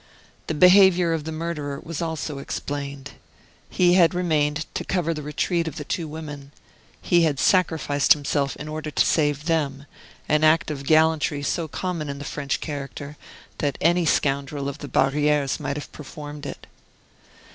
The behavior of the murderer was also explained. He had remained to cover the retreat of the two women; he had sacrificed himself in order to save them, an act of gallantry so common in the French character, that any scoundrel of the barrieres might have performed it.